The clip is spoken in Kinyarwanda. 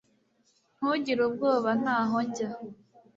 Ntugire ubwoba Ntaho njya